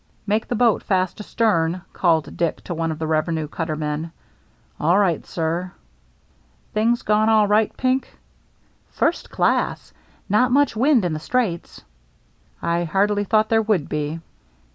" Make the boat fast astern," called Dick to one of the revenue cutter men. "All right, sir." 4i6 THE MERRT ANNE " Things gone all right. Pink ?"" First class. Not much wind in the Straits." " I hardly thought there would be.